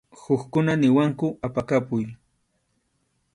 Hukkuna niwanku apakapuy.